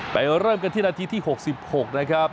เริ่มกันที่นาทีที่๖๖นะครับ